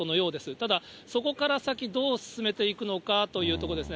ただ、そこから先、どう進めていくのかというところですね。